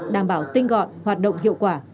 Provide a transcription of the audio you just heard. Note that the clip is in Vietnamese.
đảm bảo tinh gọn hoạt động hiệu quả